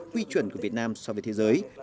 quy chuẩn của việt nam so với thế giới